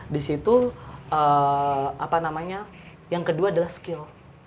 di situ yang kedua adalah skill